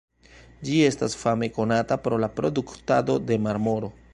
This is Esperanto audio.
Ĝi estas fame konata pro la produktado de marmoro.